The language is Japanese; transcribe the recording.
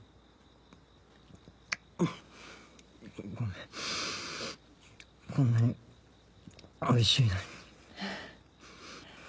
ごめんこんなにおいしいのに。